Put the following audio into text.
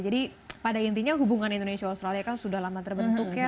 jadi pada intinya hubungan indonesia australia kan sudah lama terbentuk ya